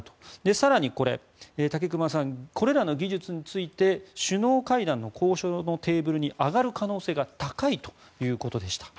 更に、武隈さんはこれらの技術について首脳会談の交渉のテーブルに上がる可能性が高いということでした。